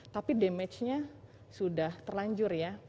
tapi damagenya sudah terlanjur ya